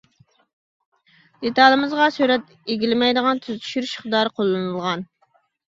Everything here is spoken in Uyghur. دېتالىمىزغا سۆرەت ئىگىلىمەيدىغان تېز چۈشۈرۈش ئىقتىدارى قوللىنىلغان.